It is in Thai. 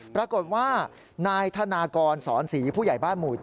ปรากฏว่านายธนากรสอนศรีผู้ใหญ่บ้านหมู่๗